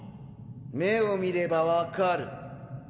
目を見れば分かる。